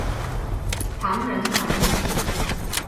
唐人傳奇